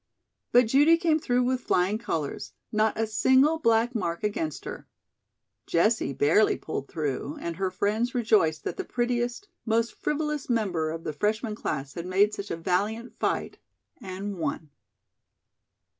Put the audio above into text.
But Judy came through with flying colors not a single black mark against her. Jessie barely pulled through, and her friends rejoiced that the prettiest, most frivolous member of the freshman class had made such a valiant fight and won.